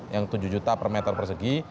yang tujuh juta per meter persegi